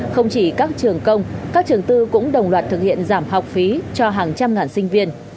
không chỉ các trường công các trường tư cũng đồng loạt thực hiện giảm học phí cho hàng trăm ngàn sinh viên